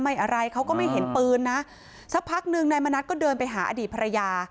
อะไรเขาก็ไม่เห็นปืนนะสักพักหนึ่งนายมณัฐก็เดินไปหาอดีตภรรยา